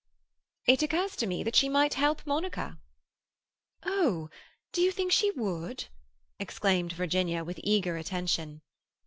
"It occurs to me that she might help Monica." "Oh, do you think she would?" exclaimed Virginia, with eager attention.